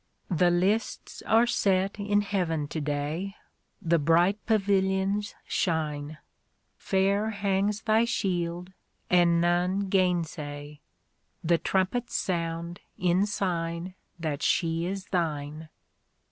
The lists are set in Heaven to day, The bright pavilions shine ; Fair hangs thy shield, and none gainsay : The trumpets sound in sign That she is thine.